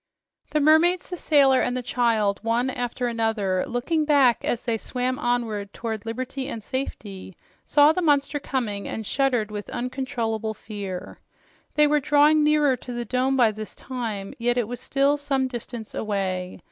The mermaids, the sailor and the child, one after another looking back as they swam toward liberty and safety, saw the monster coming and shuddered with uncontrollable fear. They were drawing nearer to the dome by this time, yet it was still some distance away.